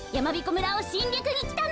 村をしんりゃくにきたの！